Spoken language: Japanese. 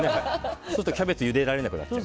そうするとキャベツゆでられなくなっちゃう。